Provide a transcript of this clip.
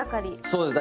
そうです